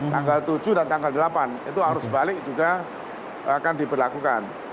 tanggal tujuh dan tanggal delapan itu arus balik juga akan diberlakukan